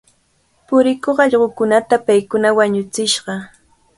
Purikuq allqukunata paykuna wañuchishqa.